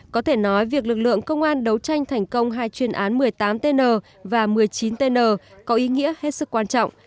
có thể nói việc lực lượng công an đấu tranh thành công hai chuyên án một mươi tám tn và một mươi chín tn có ý nghĩa hết sức quan trọng